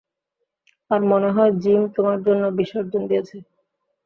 আর মনেহয় জিম তোমার জন্য বিসর্জন দিয়েছে।